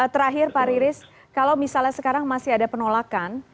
terakhir pak riris kalau misalnya sekarang masih ada penolakan